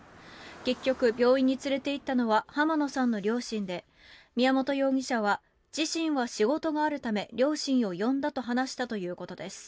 結局、病院に連れていったのは浜野さんの両親で宮本容疑者は自身は仕事があるため両親を呼んだと話したということです。